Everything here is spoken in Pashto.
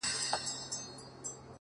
ته مور؛ وطن او د دنيا ښكلا ته شعر ليكې؛